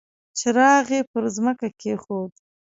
څراغ يې پر ځمکه کېښود.